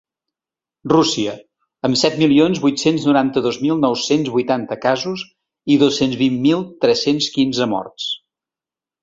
Rússia, amb set milions vuit-cents noranta-dos mil nou-cents vuitanta casos i dos-cents vint mil tres-cents quinze morts.